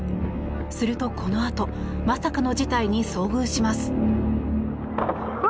するとこのあと、まさかの事態に遭遇します。